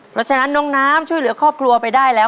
เพราะฉะนั้นน้องน้ำช่วยเหลือครอบครัวไปได้แล้ว